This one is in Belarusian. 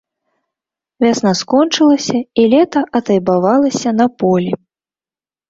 Вясна скончылася, і лета атайбавалася на полі.